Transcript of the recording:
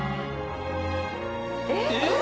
えっ⁉